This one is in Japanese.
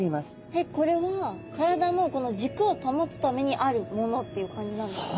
えっこれは体のじくを保つためにあるものっていう感じなんですか？